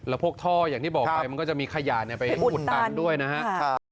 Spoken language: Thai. แล้วพวกท่ออย่างที่บอกไปมันก็จะมีขยะไปอุดตันด้วยนะครับ